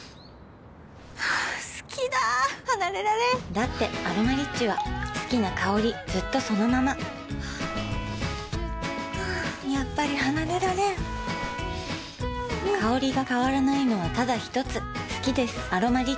好きだ離れられんだって「アロマリッチ」は好きな香りずっとそのままやっぱり離れられん香りが変わらないのはただひとつ好きです「アロマリッチ」